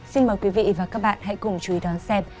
xin mời quý vị và các bạn hãy cùng chú ý đón xem